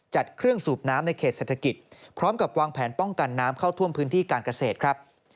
จัดเครื่องสูบน้ำในเขตเศรษฐกิจพร้อมกับวางแผนป้องกันน้ำเข้าท่วมพื้นที่การเกษตรครับ